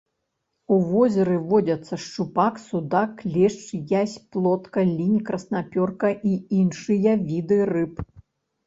У возеры водзяцца шчупак, судак, лешч, язь, плотка, лінь, краснапёрка і іншыя віды рыб.